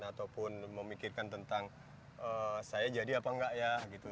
ataupun memikirkan tentang saya jadi apa enggak ya gitu